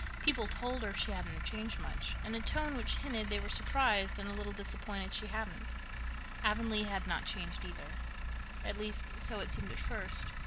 People told her she hadn't changed much, in a tone which hinted they were surprised and a little disappointed she hadn't. Avonlea had not changed, either. At least, so it seemed at first.